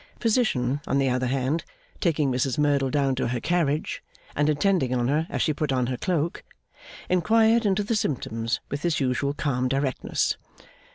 Physician, on the other hand, taking Mrs Merdle down to her carriage and attending on her as she put on her cloak, inquired into the symptoms with his usual calm directness.